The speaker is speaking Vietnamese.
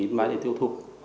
tỉnh yên bái để tiêu thục